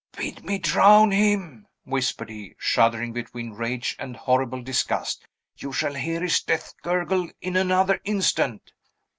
"Bid me drown him!" whispered he, shuddering between rage and horrible disgust. "You shall hear his death gurgle in another instant!"